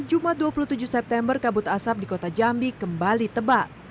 jumat dua puluh tujuh september kabut asap di kota jambi kembali tebal